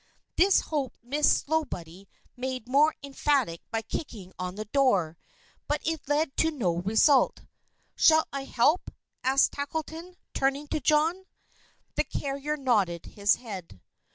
This hope Miss Slowboy made more emphatic by kicking on the door, but it led to no result. "Shall I help?" asked Tackleton, turning to John. The carrier nodded his head.